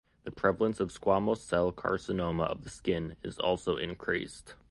The prevalence of squamous cell carcinoma of the skin is also increased.